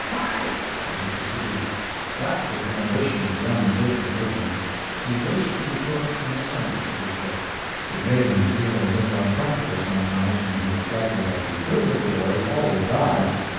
hi!" as he proceeded. That was the ambition of young Jacob Blivens. He wished to be put in a Sunday school book. It made him feel a little uncomfortable sometimes when he reflected that the good little boys always died.